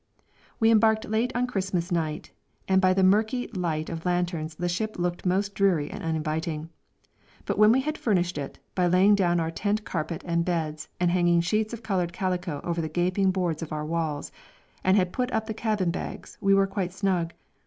We embarked late on Christmas night, and by the murky light of lanterns the ship looked most dreary and uninviting; but when we had furnished it, by laying down our tent carpet and beds and hanging sheets of coloured calico over the gaping boards of our walls, and had put up the cabin bags, we were quite snug.